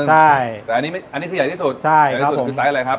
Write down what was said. แต่อันนี้คือใหญ่ที่สุดไซส์อะไรครับ